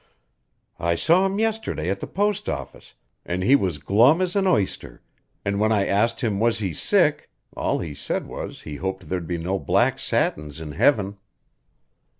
I saw him yesterday at the post office an' he was glum as an oyster; an' when I asked him was he sick all he said was he hoped there'd be no black satins in heaven."